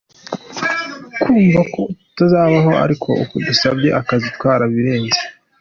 Kumva ko tuzabaho ari uko dusabye akazi twarabirenze.